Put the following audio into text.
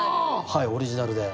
はいオリジナルで。